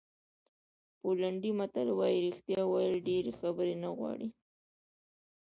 پولنډي متل وایي رښتیا ویل ډېرې خبرې نه غواړي.